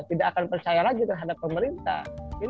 tidak akan percaya lagi terhadap pemerintah